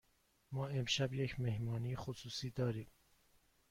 ما امشب یک مهمانی خصوصی داریم.